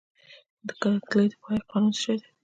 د کتلې د پایښت قانون څه شی دی؟